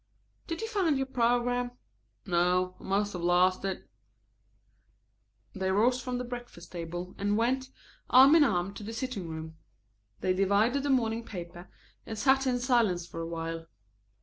Did you find your program?" "No, I must have lost it." They rose from the breakfast table and went, arm in arm, to the sitting room. They divided the morning paper and sat in silence for a while.